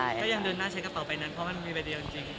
ต้องออกแบบว่าเธอกัสเต่ากะเปล่าไปผ่านมันก็มีใดเดียวจริง